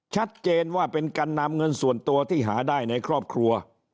ชัดเจนว่าเป็นการนำเงินส่วนตัวที่หาได้ในครอบครัว